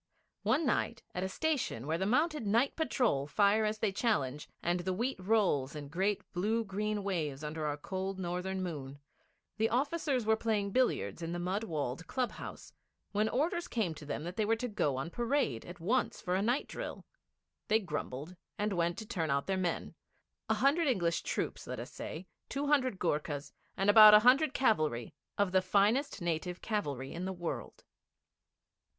One night at a station where the mounted Night Patrol fire as they challenge, and the wheat rolls in great blue green waves under our cold northern moon, the officers were playing billiards in the mud walled club house, when orders came to them that they were to go on parade at once for a night drill. They grumbled, and went to turn out their men a hundred English troops, let us say, two hundred Goorkhas, and about a hundred cavalry of the finest native cavalry in the world.